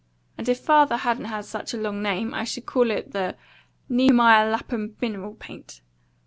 And if father hadn't had such a long name, I should call it the Nehemiah Lapham Mineral Paint.